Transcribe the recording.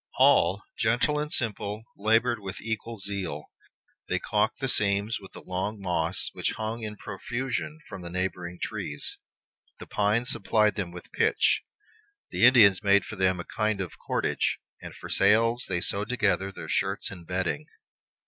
All, gentle and simple, labored with equal zeal. They calked the seams with the long moss which hung in profusion from the neighboring trees; the pines supplied them with pitch; the Indians made for them a kind of cordage; and for sails they sewed together their shirts and bedding.